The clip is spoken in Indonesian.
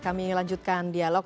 kami lanjutkan dialog